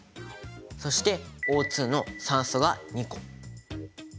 そしてＯの酸素が２個。